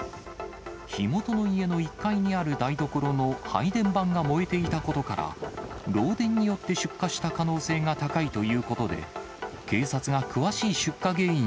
火元の家の１階にある台所の配電盤が燃えていたことから、漏電によって出火した可能性が高いということで、警察が詳しい出火原因